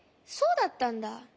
そうだったんだ。